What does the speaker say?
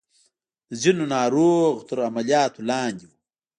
د ځينو ناروغ تر عملياتو لاندې وو.